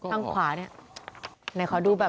ตั้งขวานี่